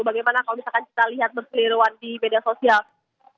bagaimana kalau misalkan kita lihat berkeliruan di media sosial